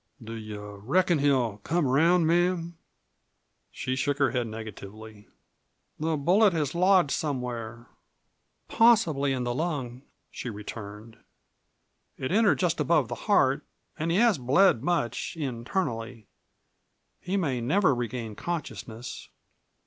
"Do you reckon he'll come around, ma'am?" She shook her head negatively. "The bullet has lodged somewhere possibly in the lung," she returned. "It entered just above the heart, and he has bled much internally. He may never regain consciousness."